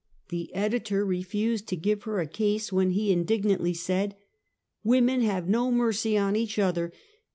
The editor refused to give her a case, when he indignantly said: " Women have no mercy on each other.